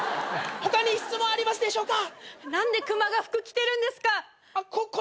他に質問ありますでしょうか？